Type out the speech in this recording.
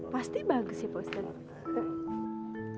pasti bagus ya pak ustadz